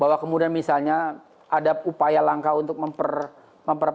bahwa kemudian misalnya ada upaya langka untuk memper